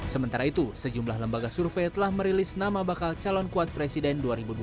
sementara itu sejumlah lembaga survei telah merilis nama bakal calon kuat presiden dua ribu dua puluh